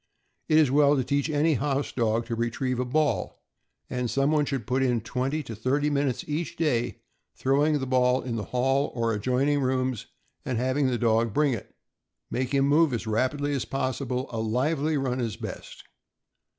It is well to teach any house dog to retrieve a ball, and someone should put in twenty to thirty minutes each day in throwing the ball through the hall, or adjoining rooms, and having the 654 THE AMERICAN BOOK OF THE DOG. dog bring it. Make him move as rapidly as possible — a lively run is best.